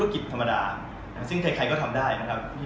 ที่บริษัทใช่ไหมคะครับแล้วก็จัดหานข้าสองไว้ที่จีน